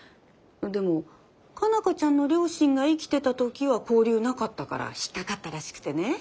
でも佳奈花ちゃんの両親が生きてた時は交流なかったから引っ掛かったらしくてね。